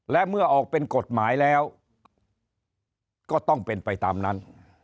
และเมื่อออกเป็นกฎหมายแล้วก็ต้องเป็นไปตามนั้น